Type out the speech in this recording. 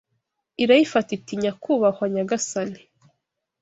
irayifata iti Nyakubahwa nyagasani